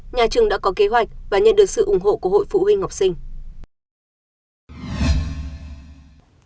nhà trường đã có kế hoạch và nhận được sự ủng hộ của hội phụ huynh học sinh